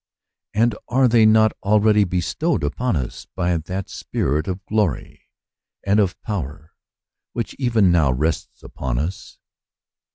And are they not already bestowed upon us by that Spirit of glory and of power which even now rests upon us